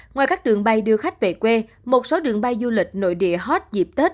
ngoài các đường bay đưa khách về quê một số đường bay du lịch nội địa hết dịp tết